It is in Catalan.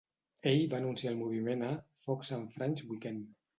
Ell va anunciar el moviment a "Fox and Friends Weekend".